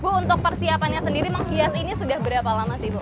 bu untuk persiapannya sendiri menghias ini sudah berapa lama sih bu